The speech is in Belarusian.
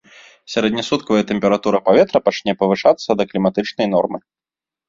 Сярэднесуткавая тэмпература паветра пачне павышацца да кліматычнай нормы.